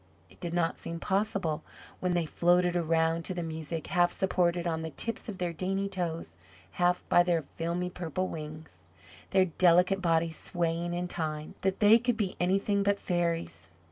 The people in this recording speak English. It did not seem possible, when they floated around to the music, half supported on the tips of their dainty toes, half by their filmy purple wings, their delicate bodies swaying in time, that they could be anything but fairies.